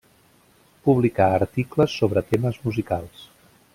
Publicà articles sobre temes musicals.